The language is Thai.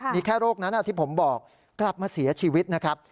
มีแค่โรคนั้นที่ผมบอกกลับมาเสียชีวิตนะครับ